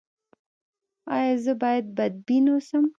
ایا زه باید بدبین اوسم؟